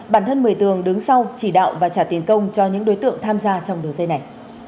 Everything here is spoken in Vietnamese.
bản thân mười tường đứng sau chỉ đạo và trả tiền công cho những đối tượng tham gia trong đường dây này